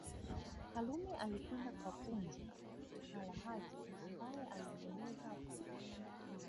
Karume alikwenda kwa Punja Kara Haji ambaye alimweleza Karume